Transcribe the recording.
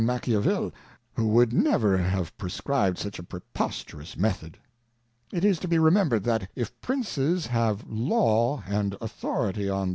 _M.a chiavil, w ho would never have prescrib'd such a preposterous Method. It is i to be remembred, that if Princes have Law and Authority on